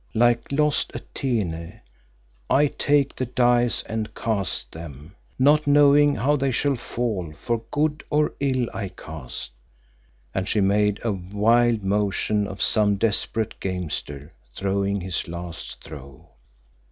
like lost Atene I take the dice and cast them, not knowing how they shall fall. Not knowing how they shall fall, for good or ill I cast," and she made a wild motion as of some desperate gamester throwing his last throw.